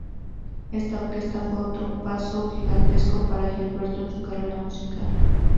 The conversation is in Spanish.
Esta orquesta fue otro paso gigantesco para Gilberto en su carrera musical.